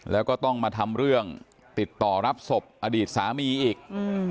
แล้วก็ต้องมาทำเรื่องติดต่อรับศพอดีตสามีอีก